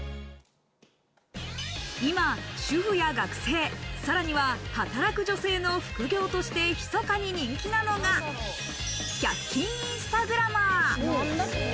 今、主婦や学生、さらには働く女性の副業として、ひそかに人気なのが、１００均インスタグラマー。